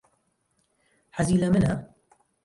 حەزی لە منە؟